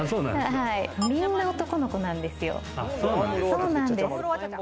みんな男の子なんですよ。